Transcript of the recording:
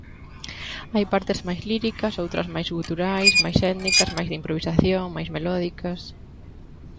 Hai partes máis líricas, outras máis guturais, máis étnicas, máis de improvisación, máis melódicas.